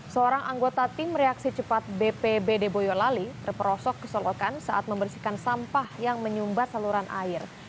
seorang anggota tim reaksi cepat bpbd boyolali terperosok ke solokan saat membersihkan sampah yang menyumbat saluran air